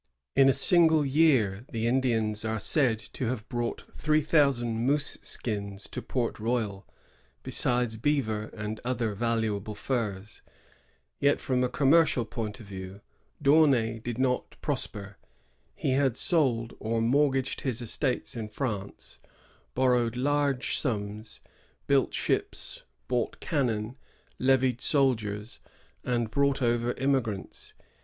In a single year the Indians are said to have brought three thousand moose skins to Port Royal, besides beaver and other valuable furs. Yet, from a commercial point of view, D'Aunay did not ^ Lettre du Phre Ignace de Paris, Capucin, 6 A<nut, 1658. 1042.] PORT ROYAL. 18 prosper. He had sold or mortgaged his estates in France^ borrowed large sums, built ships, bought cannon, levied soldiers, and brought over immigrants.